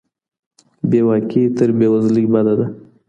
بې واکي تر بې وزلۍ بده ده.